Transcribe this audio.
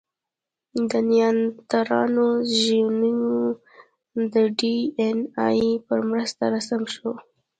د نیاندرتالانو ژینوم د ډياېناې په مرسته رسم شو.